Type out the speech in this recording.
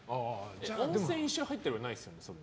温泉一緒に入ったりはないですよね？